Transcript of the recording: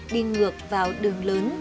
đi ngược vào đường lớn